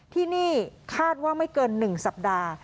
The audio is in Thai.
ที่นี่คาดว่าไม่เกิน๑สัปดาห์